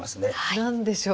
何でしょう。